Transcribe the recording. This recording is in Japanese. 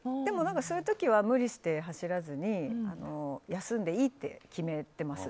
そういう時は無理して走らずに休んでいいって決めてます。